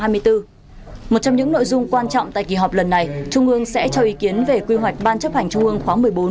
một trong những nội dung quan trọng tại kỳ họp lần này trung ương sẽ cho ý kiến về quy hoạch ban chấp hành trung ương khóa một mươi bốn